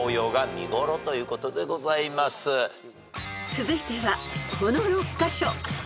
［続いてはこの６カ所］